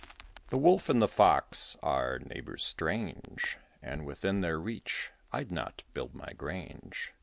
The Wolf and the Fox are neighbours strange, And within their reach I'd not build my grange.